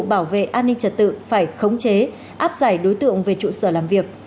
bảo vệ an ninh trật tự phải khống chế áp giải đối tượng về trụ sở làm việc